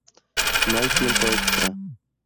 No hay tiempo extra.